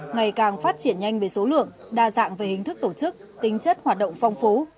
ngày càng phát triển nhanh về số lượng đa dạng về hình thức tổ chức tính chất hoạt động phong phú